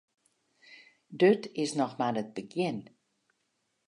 Dit is noch mar it begjin.